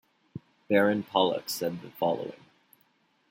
Baron Pollock said the following.